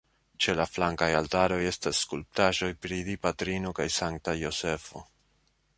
Ĉe la flankaj altaroj estas skulptaĵoj pri Dipatrino kaj Sankta Jozefo.